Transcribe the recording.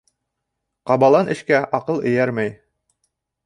Ҡабалан эшкә аҡыл эйәрмәй.